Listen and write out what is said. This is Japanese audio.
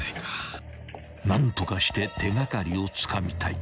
［何とかして手掛かりをつかみたい］